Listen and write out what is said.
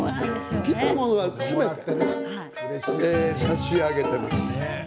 切ったものは差し上げています。